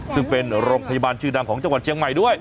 ซึ่งเป็นโรงพยาบาลชื่อดังของจังหวัดเชียงใหม่ด้วย